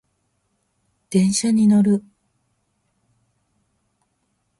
電車に乗る